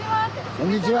こんにちは！